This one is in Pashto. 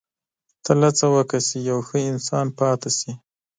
• تل هڅه وکړه چې یو ښه انسان پاتې شې.